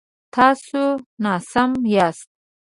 تاسو ناسم یاست